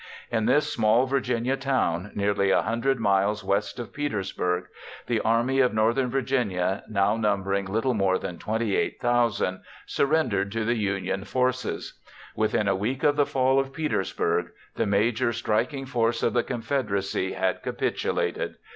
In this small Virginia town nearly 100 miles west of Petersburg, the Army of Northern Virginia, now numbering little more than 28,000, surrendered to the Union forces. Within a week of the fall of Petersburg the major striking force of the Confederacy had capitulated.